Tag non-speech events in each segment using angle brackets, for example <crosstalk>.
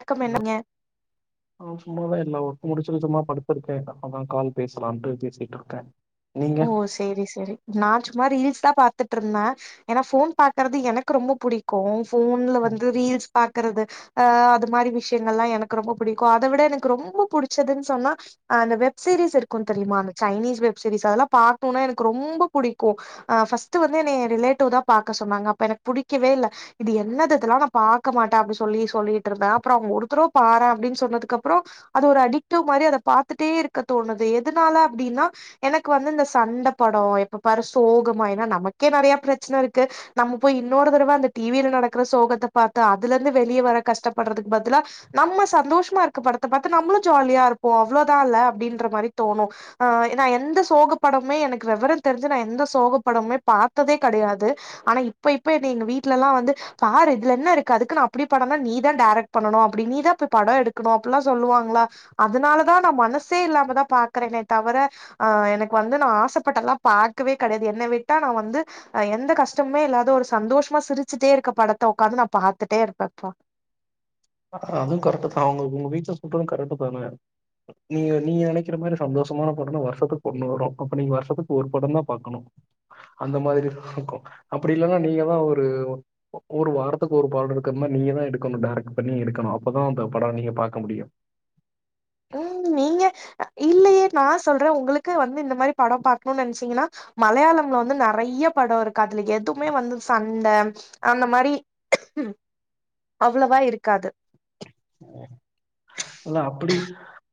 வணக்கம் ஹலோ <inaudible> நீங்க ஆ சும்மாதா எல்லா வொர்க்கு முடிச்சிட்டு சும்மா படுத்திருக்கே தா அதா கால் பேசலாம்ட்டு பேசிட்ருக்கே நீங்க ஓ சேரி செரி நா சும்மா ரீல்ஸ் தா பாத்துட்ருந்தே ஏனா ஃபோன் பாக்குறது எனக்கு ரொம்ப புடிக் கு ஃபோன்ல வந்து ரீல்ஸ் பாக்குறது அ அது மாரி விஷயங்கல்லா எனக்கு ரொம்போ புடிக்கு அத விட எனக்கு ரொம்போ புடிச்சதுன்னு சொன்னா அந்த வெப் சீரிஸ் இருக்கு தெரியுமா அந்த சைனீஸ் வெப் சீரிஸ் அதெல்லா பாக்ணுனா எனக்கு ரொம்போ புடிக்கு ஆ ஃபர்ஸ்ட் வந்து என்னய ரிலேட்டிவ் தா பாக்க சொன்னாங்க அப்ப எனக்கு புடிக்கவே இல்ல இது என்னது இதெல்லா நா பாக்க மாட்டே அப்படின்னு சொல்லி சொல்லிட்டு இருந்தே அப்றோ அவங்க ஒருதடவ பாறே அப்டின்னு சொன்னதுக்கு அப்றோ அது ஒரு அடிக்டவ் மாரி அத பாத்துட்டே இருக்க தோணுது எதுனால அப்டின்னா எனக்கு வந்து இந்த சண்ட படோ இப்ப பாரு சோகமா ஏன்னா நமக்கே நெறையா பிரச்சன இருக்கு நம்ம போய் இன்னொரு தரவ அந்த டி வி ல நடக்கிற சோகத்த பாத்து அதுல இருந்து வெளிய வர கஷ்டப்படுறதுக்கு பதிலா நம்ம சந்தோஷமா இருக்க படத்த பாத்து நம்மளும் ஜாலியா இருப்போ அவ்ளோதால்ல அப்டின்ற மாரி தோணும் ஆ நா எந்த சோகப்படமே எனக்கு வெவரந்தெரிஞ்சு நா எந்த சோகப்படமுமே பாத்ததே கடையாது ஆனா இப்ப இப்ப என்ன எங்க வீட்லல்லா வந்து பாரு இதுல என்ன இருக்கு அதுக்குன்னு அப்டி படன்னா நீதா டைரக்ட் பண்ணணும் அப்டி நீதா இப்ப படோ எடுக்கணு அப்பல்லா சொல்லுவாங்களா அதனால தா நா மனசே இல்லாமதா பாக்குறனே தவர ஆ எனக்கு வந்து நா ஆசப்பட்டெல்லா பாக்கவே கெடையாது என்ன விட்டா நா வந்து அ எந்த கஷ்டமுமே இல்லாத ஒரு சந்தோஷமா சிரிச்சுட்டே இருக்க படத்த உட்காந்து நா பாத்துட்டே இருப்பேப்பா அதும் கரெட்டு தா உங்க உங்க வீட்ல சொல்றதும் கரட்டு தான நீங்க நீங்க நெனைக்கிற மாரி சந்தோஷமான படன்னா வருஷத்துக்கு ஒண்ணு வரும் அப்ப நீங்க வருஷத்துக்கு ஒரு படந்தா பாக்கணும் அந்த மாதிரி இருக்கும் அப்டி இல்லன்னா நீங்க தா ஒரு ஒரு வாரத்துக்கு ஒரு பாடு இருக்க மாரி நீங்க தா எடுக்கணும் டாரக்ட் பண்ணி எடுக்கணும் அப்பதா அந்த படோ நீங்க பாக்க முடியும் ம் நீங்க இல்லையே நா சொல்றே உங்களுக்கு வந்து இந்த மாரி படம் பாக்கணுன்னு நெனைச்சீங்கன்னா மலையாளம்ல வந்து நறைய படம் இருக்கு அதுல எதுவுமே வந்து சண்ட அந்த மாரி அவ்ளவா இருக்காது <inaudible> தோழா அப்படி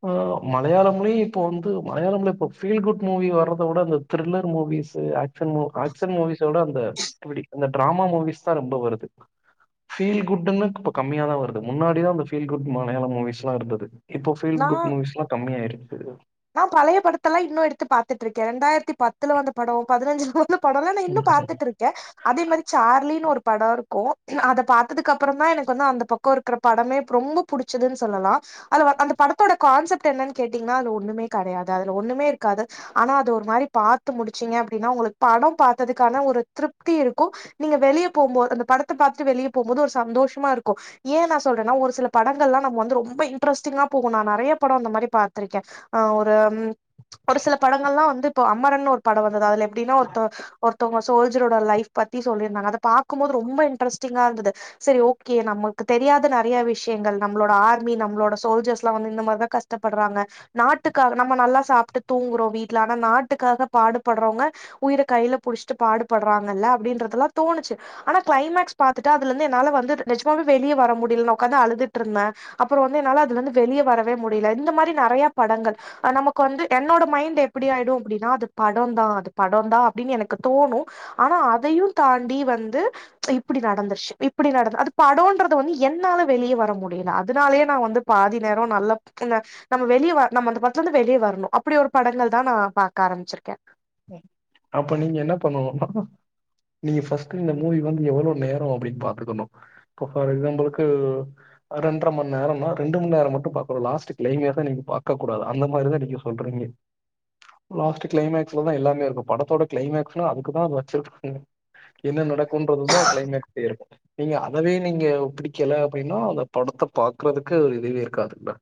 ஆ மலையாளம்லயும் இப்போ வந்து மலையாளம்ல இப்ப ஃபீல் குட் மூவி வர்றத விட அந்த த்ரில்லர் மூவிஸு ஆக்ஷன் மூ ஆக்ஷன் மூவிஸோட அந்த அப்டி அந்த ட்ராமா மூவிஸ் தா ரொம்ப வருது ஃபீல் குட்டுன்னு இப்பு கம்மியாதா வருது முன்னாடிதா அந்த ஃபீல் குட் மலையாள மூவிஸ்லா இருந்தது இப்போ ஃபீல் நா குட் மூவிஸ்லா கம்மியாருக்கு நா பழைய படத்தெல்லா இன்னு எடுத்து பாத்துட்ருக்கே ரெண்டாயரத்தி பத்துல வந்த படோ பதினஞ்சுல வந்த படோலா நா இன்னு ம். பாத்துட்ருக் க்கே அதே மாரி சார்லினு ஒரு படோ இருக்கும் அத பாத்ததுக்கு அப்றோ தா எனக்கு வந்து அந்த பக் க்கோ இருக்ற படமே ரொம்ப புடிச்சுதுனு சொல்லலா அது அந்த படத்தோட கான்செப்ட் என்னன் கேட்டிங்ன்னா அது ஒரு ஒண்ணுமே கடையாது அதுல ஒண்ணுமே இருக்காது அனா அது ஒரு மாரி பாத்து முடிச்சிங்க அப்டின்னா உங்களுக் படோ பாத்ததுக்கான ஒரு த்ருப்தி இருக்கும் நீங்க வெளிய போம்போது அந்த படத்த பாத்துட்டு வெளிய போம்போது ஒரு சந்தோஷமா இருக்கும் ஏ நா சொல்றேன்னா ஒரு சில படங்கள்லா நம் வந்து ரொம்ப இன்ட்ரெஸ்டிங்கா போகு நா நெறைய படோ அந்த மாரி பாத்ரிக்கே ஆ ஒரு ஒரு சில படங்கள்லா வந்து இப்போ அமரன்னு ஒரு படோ வந்தது அதுல எப்டின்னா ஒருத்த ஒரு தோங்க ஸோல்ஜரோட லைஃப் பத்தி சொல்லிர்தாங்க அத பாக்கும் போது ரொம்ப இன்டரஸ்டிங்கா இருதது சரி ஓகே நமக்கு தெரியாத நெறய விஷ்யங்கள் நம்ளோட ஆர்மி நம்ளோட ஸோல்ஜர்ஸ்லா வந்து இந்த மார்தா கஷ் ப்படுறாங்க நாட்டுக்காக நம்ம நல்லா சாப்ட்டு தூங்குறோ வீட்ல அனா நாட்டுக்காக பாடுபட்றவங்க உயிர கைல புடிச்சிட்டு பாடுபட்றாங்கல்ல அப்டின்றதுலா தோணுச்சி அனா க்ளைமக்ஸ் பாத்துட்டு அதுல இந்து என்னால வந்து நெஜ்மாவே வெளிய வர முடில நா உக்காந்து அழுதுட்ருந்தே அப்றோ வந்து என்னால அதுல இந்து வெளிய வரவே முடில இந்த மாரி நெறைய படங்கள் நமக்கு வந்து என்னோட மைண்ட் எப்டி ஆயிடு அப்டின்னா அது படோந்தா அது படோந்தா அப்டின் எனக்கு தோணு அனா அதயு தாண்டி வந்து இப்டி நடந்துர்சு இப்டி நடந்து அது படோன்றது வந்து என்னால வெளிய வர முடில அதனாலயே நா வந்து பாதி நேரோ நல்லா ந நம்ம வெளிய வர நம்ம அந்த படத்லந்து வெளிய வரணு அப்டி ஒரு படங்கள் தா நா பாக்க ஆரம்பிசிர்க்க அப்ப நீங்க என்ன பண்ணனுனா நீங்க ஃபர்ஸ்ட் இந்த மூவி வந்து எவ்ளோ நேரோ அப்டின் பாத்துக்கணு இப்ப ஃபார் எக்ஸாம்புள்க்கு ரெண்ர மண் நேரோநா ரெண்டு மண் நேரோ மட்டு பாக்கணு லாஸ்ட் க்ளைமேக்ஸ நீங்க பாக்க கூடாது அந்த மாரிதா நீங்க சொல்றீங்க லாஸ்ட் க்ளைமேக்ஸ்லதா எல்லாமே இருக்கு படத்தோட க்ளைமேக்ஸ்னா அதுக்குதா அது வச்சிர்காங்க என்ன நடக்கும்ன்றதுதா க்ளைமேக்ஸே இருக்கு நீங்க அதவே நீங்க பிடிக்கல அப்டினா அந்த படத்த பாக்றதுக்கு ஒரு இதுவே இருக்காதுல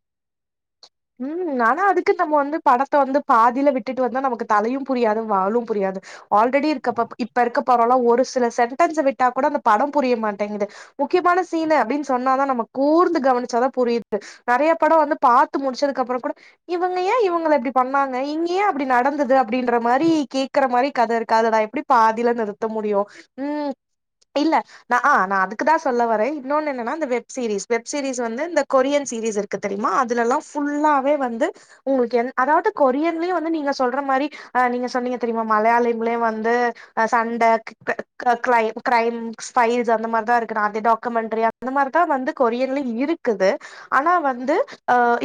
ம் அனா அதுக்கு நம்ம வந்து படத்த வந்து பாதில விட்டுட்டு வந்தா நமக்கு தலயு புரியாது வாலு புரியாது ஆல்ரெடி இருக்கப்ப இப்ப இருக்க படொலா ஒரு சில சென்டன்ஸ விட்டா கூட அந்த படோ புரிய மாட்டேங்குது முக்கியமான ஸீனு அப்டின் சொன்னாதா நம்ம கூர்ந்து கவனிச்சாதா புரிது நெறைய படோ வந்து பாத் து முடிச்சதுக்கப்றோ கூட இவங்க ஏ இவங்கல இப்டி பண்ணாங்க இங்க ஏ அப்டி நடந்துது அப்டின்ற மாரி கே க்கற மாரி கத இருக்கா அத எப்டி பாதில நிறுத்த முடியு ம் இல்ல நா ஆ நா அதுக்குதா சொல்ல வர இன்னொன்னு என்னன்னா இந்த வெப் சீரிஸ் வெப் சீரிஸ் வந்து இந்த கொரியன் சீரிஸ் இருக் கு தெரியுமா அதுலலா ஃபுல்லாவே வந்து உங்களுக்கு என் அதாவது கொரியன்லயு வந்து நீங்க சொல்ற மாரி அ நீங்க சொன்னீங்க தெரியுமா மலையாளுங்லயு வந்து அ சண்ட க் க க்ரைம் க்ரைம்ஸ் ஃபைட்ஸ் அந்த மார்தா இருக்கு அதே டாக்குமெண்டரி அந்த மார்தா வந்து கொரியன்லயு இருக் குது ஆனா வந்து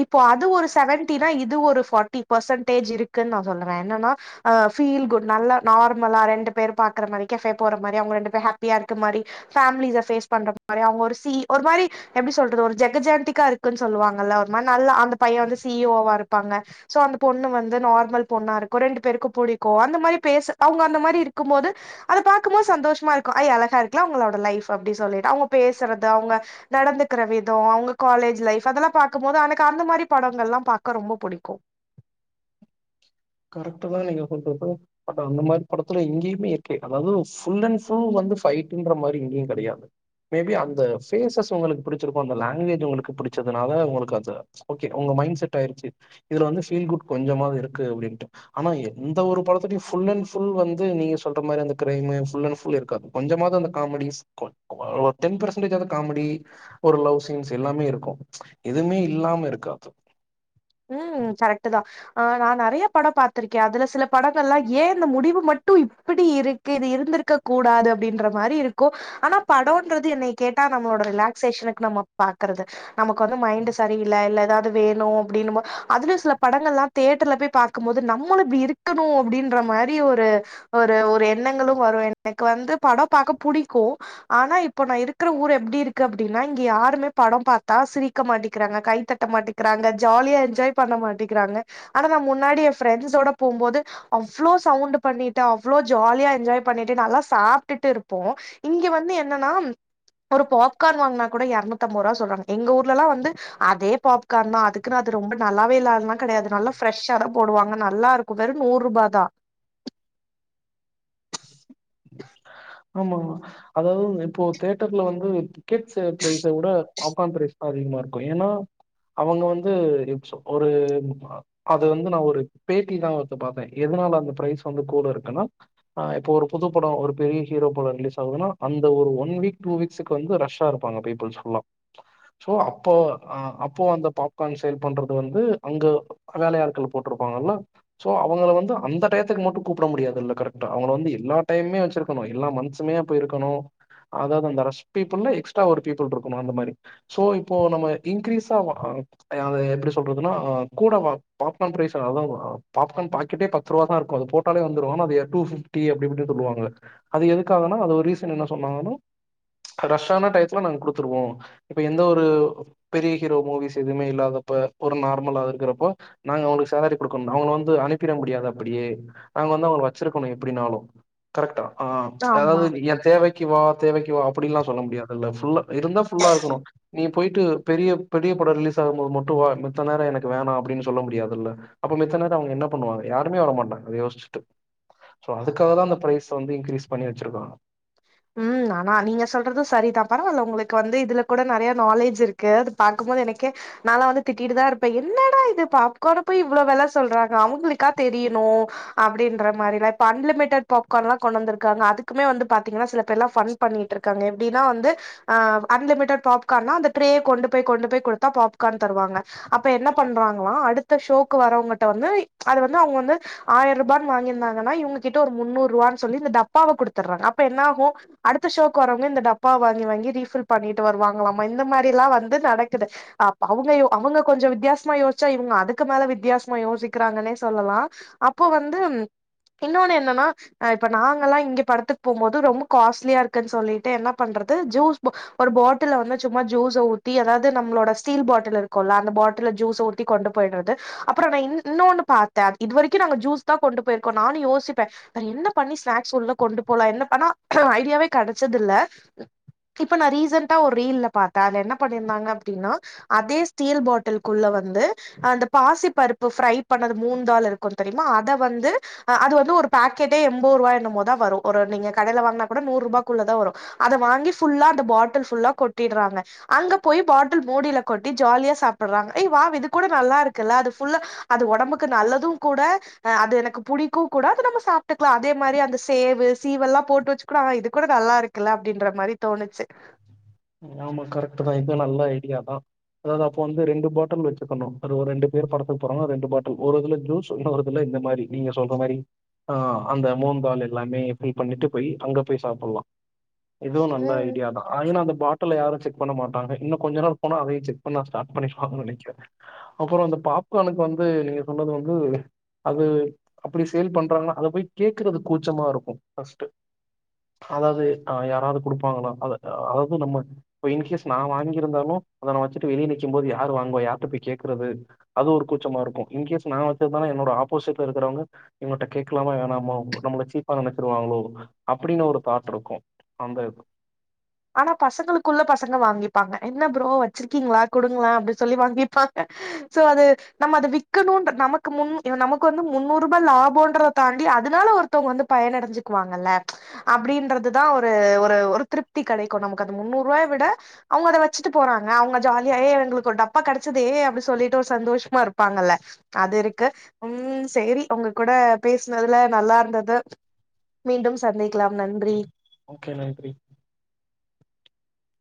இப்போ அது ஒரு செவன்டினா இது ஒரு ஃபாட் டி பர்ஸன்டேஜ் இருக்குன் நா சொல்லுவே என்னன்னா அ ஃபீல் குட் நல்ல நார்மலா ரெண்டு பேர் பாக்குற மாரி கெஃபே போற மாரி அவங்க ரெண்டு பேர் ஹேப்பியா இருக்க மாரி ஃபேமிலிஸ ஃபேஸ் பண்ற மாரி அவங்க ஒரு சி ஒரு மாரி எப்டி சொல்றது ஒரு ஜெகஜந்திகா இருக்குன் சொல்லுவாங்கல்ல ஒரு மாரி நல்ல அந்த பைய வந்து சி இ ஓவா இருப்பாங்க ஸோ அந்த பொண்ணு வந்து நார்மல் பொண்ணாருக்கு ரெண்டு பேர்க்கு புடிக்கு அந்த மாரி பேச அவுங்க அந்த மாரி இருக்கும் போது அத பாக்கும் போது சந்தோஷமா இருக்கு ஐ அழகா இருக்லா அவங்களோட லைஃப் அப்டி சொல்லிட்டு அவங்க பேசுறது அவங்க நடந்துக்ற விதோ அவங்க காலேஜ் லைஃப் அதெல்லா பாக்கும் போது ஆனக் காந்த மாரி படங்கள் எல்லா பாக்க ரொம்ப புடிக்கு கரக்ட்டு தா நீங்க சொல்றது பட் அந்த மாரி படத்துல இங்கயுமே இருக்கே அதாவுது ஃபுல் அண் ஃபுல் வந்து ஃபைட்டுன்ற மாரி இங்கயு கெடையாது மேபி அந்த ஃபேசஸ் உங்களுக்கு புடுச்சு இருக்கு அந்த லாங்குவேஜ் உங்களுக்கு புடுச்சதுனால உங்களுக்கு அது ஓகே உங்க மைண்ட் செட் ஆயிடுச்சு இதுல வந்து ஃபீல் குட் கொஞ்சமாது இருக்கு அப்டின் ஆனா எந்த ஒரு படத்துலயு ஃபுல் அண் ஃபுல் வந்து நீங்க சொல்ற மாரி அந்த க்ரைமு ஃபுல் அண் ஃபுல் இருக்காது கொஞ்சமாது அந்த காமடீஸ் கு ஒ டென் பெர்சன்டேஜாவது காமடி ஒரு லவ் சீன்ஸ் எல்லாமே இருக்கு எதுமே இல்லாம இருக்காது ம் கரக்ட்டு தா ஆ நா நெறையா படோ பாத்துர்க்கே அதுல சில படங்கல்லா ஏ இந்த முடிவு மட்டு இப்பிடி இரு க்கு இது இருந்திருக்க கூடாது அப்பிடின்ற மாரி இருக்கு ஆனா படோன்றது என்னைய கேட்டா நம்மளோட ரிலாக்சேஷனுக்கு நம்ம பாக்குறது நமக்கு வந்து மைண்ட் சரியில்ல இல்ல எதாது வேணு அப்பிடின்னும்போ அதுலயு சில படங்கள் எலா தேட்டர்ல போய் பாக்கும் போது நம்மளூ இப்பிடி இருக்கணு அப்பிடின்ற மாரி ஒரு ஒரு ஒரு எண்ணங்களு வரு எனக்கு வந்து படொ பாக்க புடிக்கு ஆனா இப்ப நா இருக்குற ஊர் எப்டி இருக்கு அப்டின்னா இங்க யாருமே படோ பாத்தா சிரி ரிக்க மாட்டிக்கிறாங்க கைத்தட்ட மாட்டிக்கிறாங்க ஜாலியா என்ஜாய் பண்ண மாட்டிக்கிறாங்க ஆனா நா முன்னாடி ஏ ஃப்ரெண்ட்ஸஸோட போம்போது அவ்ளோ சவுண்ட் பண்ணிட்டு அவ்ளோ ஜாலியா என்ஜாய் பண்ணிட்டு நல்லா சாப்ட்டுட்டு இருப்போ இங்க வந்து என்னன்னா ஒரு பாப்கார்ன் வாங்குனா கூட எரநூத்தம்பதுருபா சொல்றாங்க எங்க ஊர்ல எல்லா வந்து அதே பாப்கார்ன் தா அது இருக்குனாது ரொம்ப நல்லாவே இல்ல அதுல்லா கெடயாது நல்லா ஃப்ரெஷ்ஷா தா போடுவாங்க நல்லா இருக்கு வெறு நூற்ருபா தா ஆமா அதாவது இப்போ தேட்டர்ல வந்து டிகெட்ஸ் ப்ரைஸ வுட பாப்கார்ன் ப்ரைஸ் அதிகமா இருக்கு ஏனா அவங்க வந்து ரிச் ஒரு அது வந்து நா ஒரு பேட்டி தா ஒடுக்க பாத்த எதுனால அந்த ப்ரைஸ் வந்து கூட இருக்குன்னா ஆ இப்ப ஒரு புது படோ ஒரு பெரிய ஹீரோ படோ ரிலீஸ் ஆகுதுனா அந்த ஒரு வொன் வீக் டூ வீக்ஸ்க்கு வந்து ரஷ் ஆ இருப்பாங்க பீபிள்ஸ் ஃபுல்லா சோ அப்போ அ அப்போ அந்த பாப்கார்ன் சேல் பண்றது வந்து அங்க அ வேலையாட்கள போட்ருப்பாங்கல்ல சோ அவங்கள வந்து அந்த டைத்துக்கு மட்டு கூப்புட முடியாதுல கரக்ட் அவங்கள வந்து எல்லா டைம்மே வெச்சிரு கணு எல்லாம் மன்த்சுமே போய் இருக்கணு அதாவது அந்த ரஷ் பீபிள்ல எக்ஸ்ட்ரா ஒரு பீபுள் இருக்கணு அந்த மாரி சோ இப்போ நம்ம இன்கிரீஸா ஆ அ அத எப்பிடி சொல்றதுன்னா அ கூட வா பாப்கார்ன் ப்ரைச அ அத பாப்கார்ன் பாக்கெட்டே ப த்துருவா தா இருக்கு அது போட்டாலே வந்துரு ஆனா அது டூ ப்ஃபிட்டி அப்பிடி இப்பிடின் சொல்லுவாங்க அது எதுக்காகன்னா அது ஒரு ரீசன் என்ன சொன்னாங்கன்னா ரஷ்ஷான டைத்துல நாங்க குடுத்துருவோ இப்ப எந்த ஒரு பெரிய ஹீரோ மூவிஸ் எதுமே இல்லாதப்ப ஒரு நார்மலா இருக்குற அப்ப நாங்க அவ்ங்களுக்கு சேலரி குடுக்கணு அவங்கள வந்து அனிப்பிட முடியாது அப்பிடியே நாங்க வந்து அவ்ங்கள வெச்சிருக்கணு எப்பிடினாலு கரக்ட்டா ஆ ஆமா அதாவது ஏ தேவைக்கி வா தேவைக்கி வா அப்பிடில்லா சொல்ல முடியாதுல ஃபுல்லா இருந்தா ஃபுல்லா இருக்கணு நீ போய்ட்டு பெரிய பெரிய படோ ரிலீஸ் ஆகும்போது மட்டு வா மித்த நேரோ எனக்கு வேணா அப்பிடின்னு சொல்ல முடியாதுல அப்ப மித்த நேரோ அவங்க என்ன பண்ணுவாங்க யாருமே வரமாட்டாங்க அத யோச்சுட்டு சோ அதுக்காதா அந்த ப்ரைஸ் வந்து இ ன்க்ரீஸ் பண்ணி வெச்சிருபாங்க ம் ஆனா நீங்க சொல்றது சரிதா பரவால உங்களுக்கு வந்து இதுல கூடநெறையா நாலேஜ் இருக்கு அது பாக்கும்போது எனக்கே நாலா வந்து திட்டிட்டுதா இருப்ப என்னடா இது பாப்கார்ன போய் இவ்ளோ வெல சொல்றாங்க அவ்ங்களுக்கா தெரியணு அப்பிடின்ற மாரிலா இப்ப அன்லிமிடெட் பாப்கார்ன்லா கொண்டு வந்திருக்காங்க அதுக்குமே வந்து பா த்தீங்கன்னா சில பேர்லா ஃபன் பண்ணிட்டு இருக்காங்க எப்பிடின்னா வந்து ஆ அன்லிமிடெட் பாப்கார்ன் னா அந்த ட்ரேய கொண்டு போய் கொண்டு போய் குடுத்தா பாப்கார்ன் தருவாங்க அப்ப என்ன பண்றாங்களா அடுத்த ஷோக்கு வரவங்கிட்ட வந்து அது வந்து அவ்ங்க வந்து ஆயர்பான்னு வாங்கிருந்தாங்கன்னா இவங்க கிட்ட ஒரு முன்னூற்பான்னு சொல்லி இந்த டப்பாவ குடுத்தர்றாங்க அப்ப என்ன ஆகு அடுத்த ஷோக்கு வரவங்க இந்த டப்பா வாங்கி வாங்கி ரீஃபில் பண்ணிட்டு வருவாங்களாமா இந்த மாரி எல்லாம் வந்து நடக்குது அ அவ்ங்க அவ்ங்க கொஞ்சோ வித்தியாசமா யோசிச்சா இவங்க அதுக்கு மேல வித்தியாசமா யோசிக்கிறாங்கன்னே சொல்லலா அப்போ வந்து இன்னொன்னு என்னன்னா அ இப்ப நாங்கல்லா இங்க படத்து போம்போது ரொம்ப காஸ்ட்லியா இருக்குன்னு சொல்லிட்டு என்ன பண்றது ஜூஸ் ஒரு பாட்டில்ல வந்து சும்மா ஜூஸை ஊத்தி அதாவது நம்மளோட ஸ்டீல் பாட்டில் இருக்குல அந்த பாட்டில் ஜூஸ ஊத் தி கொண்டு போயிடறது அப்புற நா இ இன்னொன்னு பாத்தேன் இது வரைக்கு நாங்க ஜூஸ் தா கொண்டு போயிருக்கோ நானு யோசிப்பே வேற என்ன பண்ணி ஸ்நாக்ஸ் உள்ள கொண்டு போலாம் என்ன பண்ணா ஐடியாவே கெடைச்சதில்ல இப்ப நா ரீசண்டா ஒரு ரீல்ல பாத்தே அதுல என்ன பண்ணியிருந்தாங்க அப்டின்னா அதே ஸ்டீல் பாட்டில்குள்ள வந்து அந்த பாசி பருப்பு ஃப்ரை பண்ணது மூங் தால் இருக்கு தெரியுமா அத வந்து அ அது வந்து ஒரு பாக்கெட்டே எம்போரூவா என்னமோதா வரு ஒரு நீங்க கடைல வாங்குனா கூட நூறு ரூபாக்குள்ள தா வரு அத வாங்கி ஃபுல்லா அந்த பாட்டில் ஃபுல்லா கொட்டிட்றாங்க அங்க போய் பாட்டில் மூடில கொட்டி ஜாலியா சாப்பிட்றாங்க ஏ வாவ் இது கூட நல்லா இருக்குல்ல அது ஃபுல்லா அது ஒடம்புக்கு நல்லது கூட அ அது எனக்கு புடிக்கு கூட அத நம்ம சாப்ட்டுக்லா அதே மாரி அந்த சேவு சீவெல்லா போட்டு வெச்சு கூட ஆனா இது கூட நல்லா இருக்குல்ல அப்டின்ற மாரி தோணுச்சு ஆமா கரெக்ட்டு தா இது நல்ல ஐடியா தா அதாவ்து அப்ப வந்து ரெண்டு பாட்டில் வெச்சுக்கணு ஒரு ரெண்டு பேரு படத்துக்கு போறாங்கனா ரெண்டு பாட்டில் ஒரு இதுல ஜூஸ் இன்னொருதுல இந்த மாரி நீங்க சொல்ற மாரி ஆ அந்த மூந்தால் எல்லாமே ஃபில் பண்ணிட்டு போய் அங்க போய் சாப்பிட்லா இதுவு நல்ல ம் ஐடியா தா ஆ ஏனா அந்த ட்டர்ல யாரு செக் பண்ண மாட்டாங்க இன்ன கொஞ்ச நேர விட்டோனா அதையு செக் பண்ண ஸ்டார்ட் பண்ணிருவாங்கன் நெனைக்கிறே அப்பறோ இந்த பாப்கார்னுக்கு வந்து நீங்க சொன்னது வந்து அது அப்பிடி சேல் பண்றாங்கனா அத போய் கேக்குறது கூச்சமா இருக்கு ஃபஸ்ட்டு அதாவ்து ஆ யாராவ்து குடுப்பாங்களா அத அதாவ்து நம்ம இப்ப இன்கேஸ் நா வாங்கிருந்தாலு அத நா வச்சுட்டு வெளிய நிக்கும்போது யாரு வாங்குவா யார்ட்ட போய் கேக்குறது அது ஒரு கூச்சமா இருக்கு இன்கேஸ் நா வச்சுருந்தாலு என்னோட ஆப்போசிட்ல இருக்கிறவ்ங்க இவ்ங்கட்ட கேக்கலாமா வேணாமோ நம்மள சீப்பா நெனைச்சிருவாங்களோ அப்டின்னு ஒரு தாட் இருக்கு அந்த எது ஆனா பசங்களுக்குள்ள பசங்க வாங்கிப்பாங்க என்ன ப்ரோ வச்சிருக்கீங்ளா குடுங்கலே அப்டின் சொல்லி வாங்கிப்பாங்க சோ அது நம்ம அத விக்கணுன்ற நமக்கு முன் இவ நமக்கு வந்து முன்னூறுபா லாபோன்றத தாண்டி அதனால ஒரு வித்தவ்ங்க வந்து பயனடஞ்சுக்குவாங்கல்ல அப்டின்றதுதா ஒரு ஒரு திருப் தி கெடைக்கு நமக்கு அது முன்னூறுவாய விட அவ்ங்க அத வச்சிட்டு போறாங்க அவ்ங்க ஜாலியா ஏ எங்களுக்கு ஒரு டப்பா கெடைச்சதே அப்டி சொல்லிட்டு ஒரு சந்தோஷமா இருப்பாங்கல்ல அது இருக்கு ம் சேரி உங்க கூட பேசுனதுல நல்லா இருந்தது மீண்டும் சந்திக்கலாம் நன்றி ஓகே நன்றி <inaudible>